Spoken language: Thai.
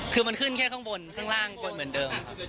คือมันขึ้นแค่ข้างบนข้างล่างคนเหมือนเดิมครับ